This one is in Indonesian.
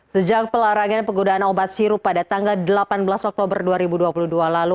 sejak pelarangan penggunaan obat sirup pada tanggal delapan belas oktober dua ribu dua puluh dua lalu